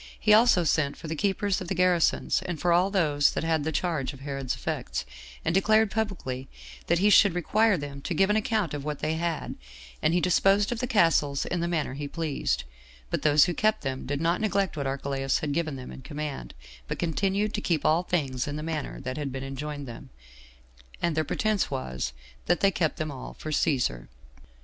He also sent for the keepers of the garrisons, and for all those that had the charge of Herod's effects, and declared publicly that he should require them to give an account of what they had; and he disposed of the castles in the manner he pleased; but those who kept them did not neglect what Archelaus had given them in command, but continued to keep all things in the manner that had been enjoined them; and their pretense was, that they kept them all for Cæsar.